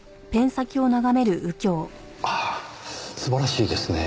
ああ素晴らしいですねぇ。